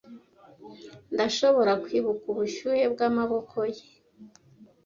Ndashobora kwibuka ubushyuhe bwamaboko ye.